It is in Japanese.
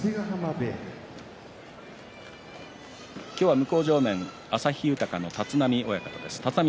向正面は旭豊の立浪親方です。